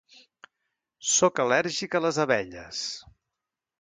Sóc al·lèrgic a les abelles.